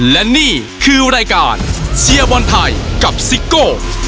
และนี่คือรายการเชียร์บอลไทยกับซิโก้